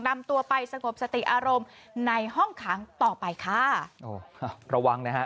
นำตัวไปสงบสติอารมณ์ในห้องขังต่อไปค่ะโอ้ระวังนะฮะ